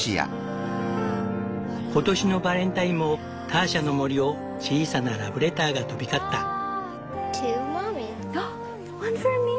今年のバレンタインもターシャの森を小さなラブレターが飛び交った。